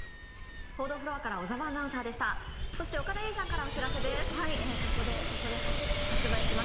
岡田結実さんからお知らせです。